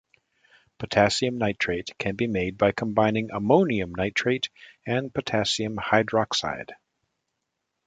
Potassium nitrate can be made by combining ammonium nitrate and potassium hydroxide.